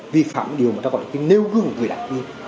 vi phạm điều mà ta gọi là cái nêu gương của người đảng viên